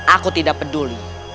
aku tidak peduli